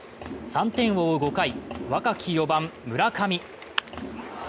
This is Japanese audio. ３点を追う５回、若き４番・村上。